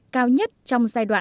cao nhất trong giai đoạn